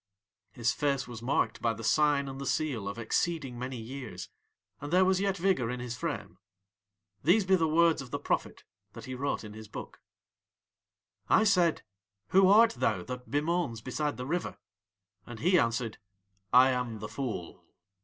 His face was marked by the sign and the seal of exceeding many years, and there was yet vigour in his frame. These be the words of the prophet that he wrote in his book: "I said: 'Who art thou that bemoans beside the river?' And he answered: 'I am the fool.'